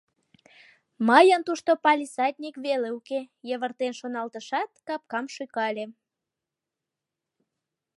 Мыйын тушто палисадник веле уке», — йывыртен шоналтышат, капкам шӱкале.